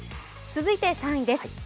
続いて３位です。